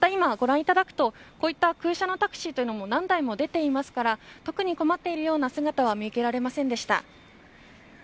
ご覧いただくと、こういった空車のタクシーも何台も出ていますから特に困っているような姿は見受けられませんでした。